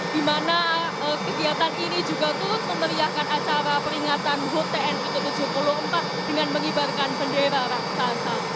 dimana kegiatan ini juga turut memberiakan acara peringatan hut tni satu ratus tujuh puluh empat dengan mengibarkan bendera raksasa